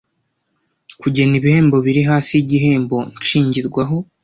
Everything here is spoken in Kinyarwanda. kugena ibihembo biri hasi y igihembo nshingirwaho